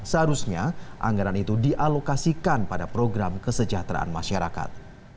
seharusnya anggaran itu dialokasikan pada program kesejahteraan masyarakat